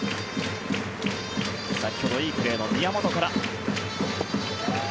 先ほどいいプレーの宮本から。